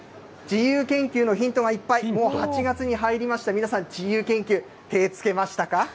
自由研究のヒントがいっぱい、８月に入りました、皆さん、自由研究、手つけましたか？